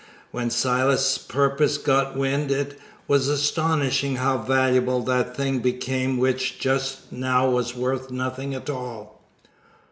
When Silas's purpose got wind it was astonishing how valuable that thing became which just now was worth nothing at all.